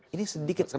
ini sedikit sekali